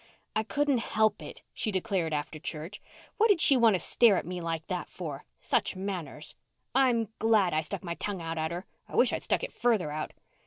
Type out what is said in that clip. "I couldn't help it," she declared after church. "What'd she want to stare at me like that for? Such manners! I'm glad stuck my tongue out at her. I wish I'd stuck it farther out.